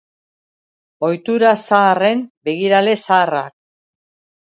Ohitura zaharren begirale zaharrak.